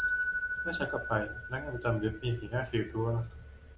เมื่อฉันกลับไป พนักงานประจำลิฟต์มีสีหน้าถือตัว